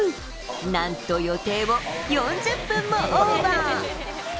なんと予定を４０分もオーバー。